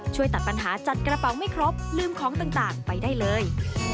ช่วยตัดปัญหาจัดกระเป๋าไม่ครบลืมของต่างไปได้เลย